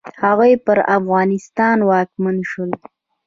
هغوی پر افغانستان واکمن شول.